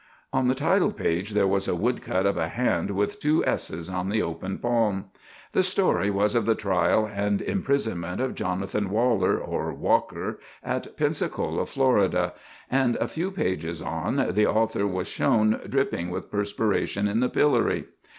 On the title page there was a woodcut of a hand with two S's on the open palm. The story was of the trial and imprisonment of Jonathan Waller, or Walker, at Pensacola, Florida; and a few pages on, the author was shown dripping with perspiration in the pillory.